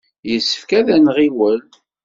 Yessefk ad nɣiwel.